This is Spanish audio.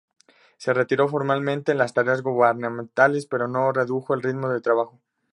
Se retiró formalmente de las tareas gubernamentales, pero no redujo el ritmo de trabajo.